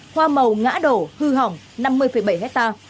hoa màu ngã đổ hư hỏng năm mươi bảy hectare